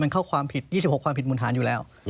เข้าความผิด๒๖ความผิดมูลฐานอยู่แล้ว